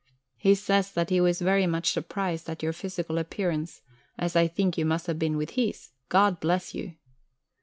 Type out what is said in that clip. He says that he was very much surprised at your physical appearance, as I think you must have been with his. God bless you!"